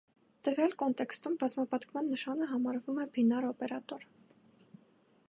Տվյալ կոնտեքստում բազմապատկման նշանը համարվում է բինար օպերատոր։